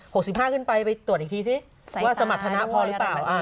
สิบห้าขึ้นไปไปตรวจอีกทีสิว่าสมรรถนะพอหรือเปล่าอ่า